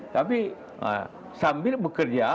tapi sambil bekerja